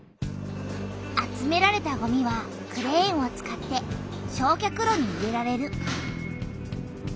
集められたごみはクレーンを使って焼却炉に入れられる。